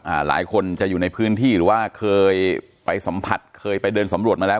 หลายคนจะอยู่ในพื้นที่หรือว่าเคยไปสัมผัสเคยไปเดินสำรวจมาแล้ว